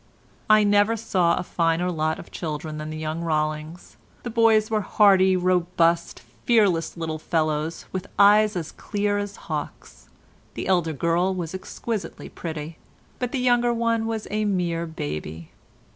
I never saw a finer lot of children than the young Rollings, the boys were hardy, robust, fearless little fellows with eyes as clear as hawks; the elder girl was exquisitely pretty, but the younger one was a mere baby.